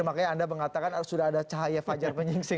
makanya anda mengatakan sudah ada cahaya fajar penyingsing